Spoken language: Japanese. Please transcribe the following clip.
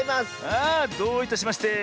あどういたしまして。